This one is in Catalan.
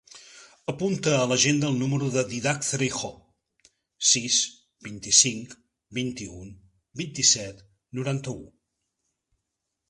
Apunta a l'agenda el número del Dídac Cereijo: sis, vint-i-cinc, vint-i-u, vint-i-set, noranta-u.